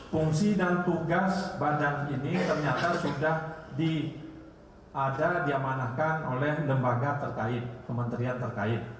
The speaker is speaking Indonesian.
fungsi dan tugas badan ini ternyata sudah ada diamanahkan oleh lembaga terkait kementerian terkait